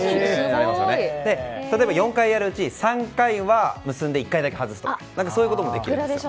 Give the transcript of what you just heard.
例えば４回やるうち３回は結んで１回だけ外すとかそういうこともできるんです。